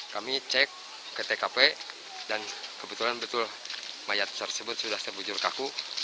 kami cek ke tkp dan kebetulan betul mayat tersebut sudah terbujur kaku